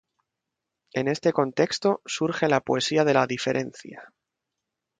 En este contexto, surge la Poesía de la Diferencia.